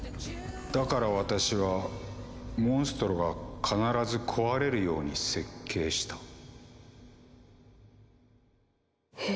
「だから私はモンストロが必ず壊れるように設計した」。え？